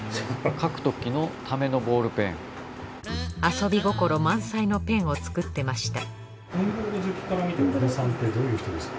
遊び心満載のペンを作ってました